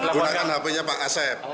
gunakan hp nya pak asep